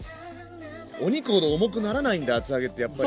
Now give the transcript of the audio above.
お肉ほど重くならないんだ厚揚げってやっぱり。